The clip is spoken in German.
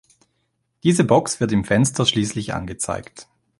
Diese Box wird im Fenster schließlich angezeigt.